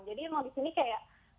jadi memang disini kayak